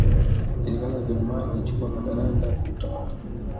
Serikali ya Ujerumani ilichukua madaraka ya utawala